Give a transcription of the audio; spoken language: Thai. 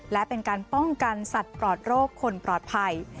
และเป็นการป้องกันสัตว์ปลอดโรคคนปลอดภัย